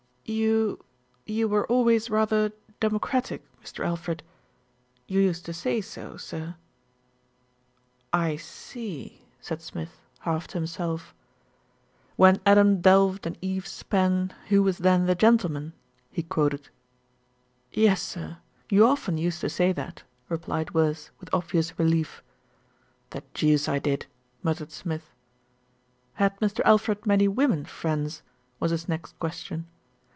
"You you were always rather democratic, Mr. Al fred. You used to say so, sir." "I see," said Smith, half to himself. " 'When Adam delved and Eve span, Who was then the gentleman ?'' he quoted. "Yes, sir. You often used to say that," replied Willis, with obvious relief. "The deuce I did!" muttered Smith. "Had Mr. Alfred many women friends?" was his next question.